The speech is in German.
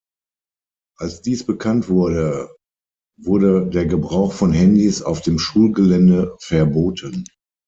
Als dies bekannt wurde, wurde der Gebrauch von Handys auf dem Schulgelände verboten.